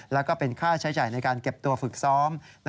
แล้วก็เป็นค่าใช้จ่ายในการเก็บตัวฝึกซ้อม